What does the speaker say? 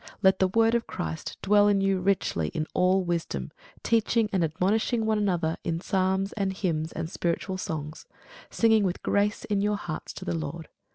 Let the word of Christ dwell in you richly in all wisdom; teaching and admonishing one another in psalms and hymns and spiritual songs, singing with grace in your hearts to the Lord.